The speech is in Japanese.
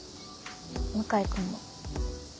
向井君も。